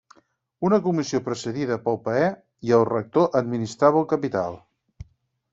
Una comissió presidida pel paer i el rector administrava el capital.